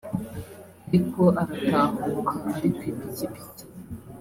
ariko aratahuka ari kw'ipikipiki